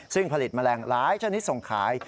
ซึ่งผลิตแมลงหลายชนิดส่งขาย